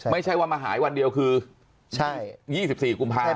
ไม่ใช่ว่ามาหายวันเดียวคือ๒๔กุมภาคม